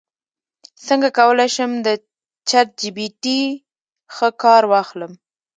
څنګه کولی شم د چیټ جی پي ټي ښه کار واخلم